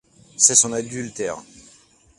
C’est son adultère.